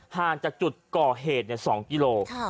ห่างจากจุดก่อเหตุ๒กิโล